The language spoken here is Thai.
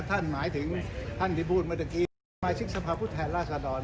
ถ้าท่านหมายถึงท่านที่พูดเมื่อเมื่อกี้